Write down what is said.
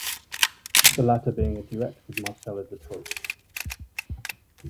The latter being a duet with Marcella Detroit.